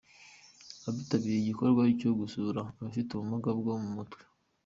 Abitabiriye igikorwa cyo gusura abafite ubumuga bwo mu mutwe.